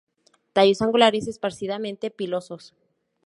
Tallos angulares, esparcidamente pilosos.